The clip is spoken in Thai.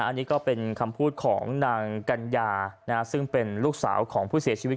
อันนี้ก็เป็นคำพูดของนางกัญญาซึ่งเป็นลูกสาวของผู้เสียชีวิต